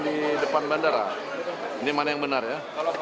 di depan bandara ini mana yang benar ya